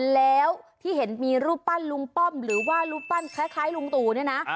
แล้วที่เห็นมีรูปปั้นลุงป้อมหรือว่ารูปปั้นคล้ายลุงตู่เนี่ยนะ